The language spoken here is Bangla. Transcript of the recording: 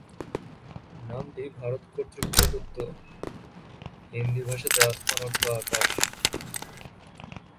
নামটি ভারত কর্তৃক প্রদত্ত, হিন্দি ভাষাতে আসমান অর্থ আকাশ।